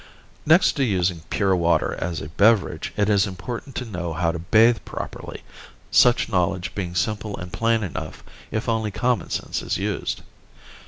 Next to using pure water as a beverage it is important to know how to bathe properly, such knowledge being simple and plain enough if only common sense is used.